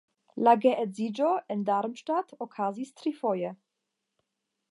La geedziĝo en Darmstadt okazis trifoje.